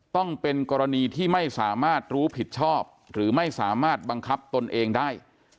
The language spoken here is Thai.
ต้องเป็นกรณีที่ไม่สามารถรู้ผิดชอบหรือไม่สามารถบังคับตนเองได้